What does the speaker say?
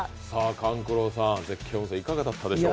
勘九郎さん、絶景温泉いかがでしたでしょうか？